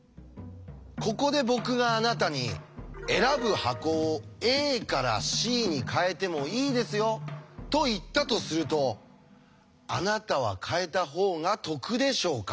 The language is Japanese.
ここで僕があなたに「選ぶ箱をＡからＣに変えてもいいですよ」と言ったとするとあなたは変えた方が得でしょうか？